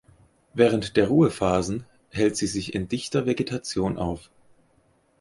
Während der Ruhephasen hält sie sich in dichter Vegetation auf.